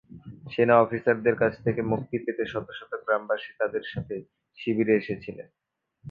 সেনা অফিসারদের কাছ থেকে মুক্তি পেতে শত শত গ্রামবাসী তাদের সাথে শিবিরে এসেছিলেন।